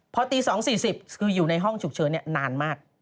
พอตี๒๔๐คืออยู่ในห้องฉุกเฉินนานมาก